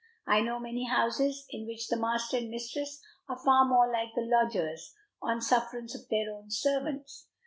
I know many houses in which the master and mistress are far more like the lodgers, on sufferance of their own servants.